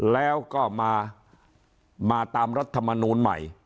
แล้วก็มาตามรัฐมนูลใหม่